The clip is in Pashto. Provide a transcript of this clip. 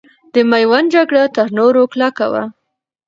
د میوند جګړه تر نورو کلکو وه.